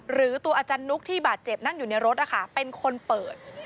หรือตัวอาจารย์นุ๊กที่บาดเจ็บนั่งอยู่ในรถนะคะเป็นคนเปิด